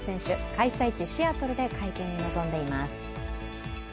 開催地・シアトルで会見に臨んでいます。